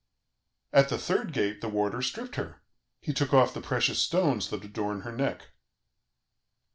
"At the third gate, the warder stripped her; he took off the precious stones that adorn her neck.